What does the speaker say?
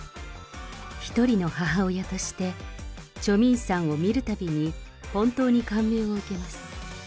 一人の母親として、チョ・ミンさんを見るたびに本当に感銘を受けます。